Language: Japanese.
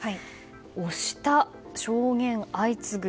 押した証言相次ぐ。